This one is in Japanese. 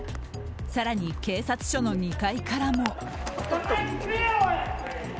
更に警察署の２階からも。